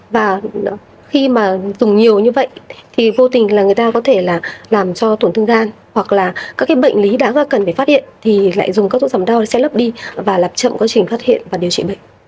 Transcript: và khi mà dùng nhiều như vậy thì vô tình là người ta có thể là làm cho tổn thương gan hoặc là các cái bệnh lý đáng cần phải phát hiện thì lại dùng các dỗng đau sẽ lấp đi và lập chậm quá trình phát hiện và điều trị bệnh